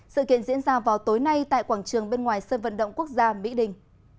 sự kiện diễn ra vào tối nay tại quảng trường bên ngoài sân vận động quốc gia mỹ đình